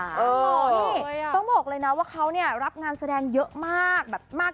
นี่ต้องบอกเลยนะว่าเขาเนี่ยรับงานแสดงเยอะมากแบบมาก